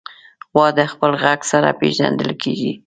غوا د خپل غږ سره پېژندل کېږي.